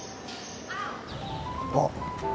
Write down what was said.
あっ！